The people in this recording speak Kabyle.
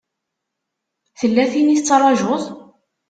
Tella tin i tettṛajuḍ?